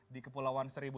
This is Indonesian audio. di kepulauan seribu